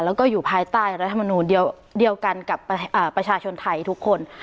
แล้วก็อยู่ภายใต้รัฐมนูลเดียวกันกับประชาชนไทยทุกคน